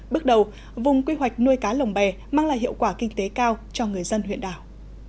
bước đầu vùng quy hoạch nuôi cá lồng bè mang lại hiệu quả kinh tế cao cho người dân huyện đảo